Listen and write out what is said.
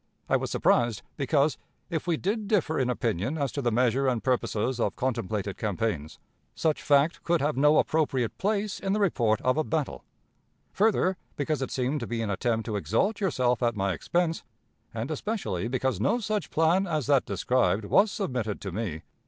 I was surprised, because, if we did differ in opinion as to the measure and purposes of contemplated campaigns, such fact could have no appropriate place in the report of a battle; further, because it seemed to be an attempt to exalt yourself at my expense; and, especially, because no such plan as that described was submitted to me.